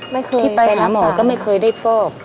ที่ไปหาหมอก็ไม่เคยได้ฟอก